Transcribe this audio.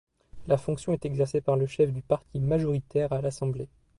La fonction est exercée par le chef du parti majoritaire à l'Assemblée.